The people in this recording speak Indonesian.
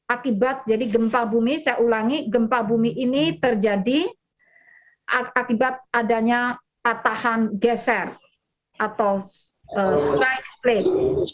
akibat jadi gempa bumi saya ulangi gempa bumi ini terjadi akibat adanya patahan geser atau strike slide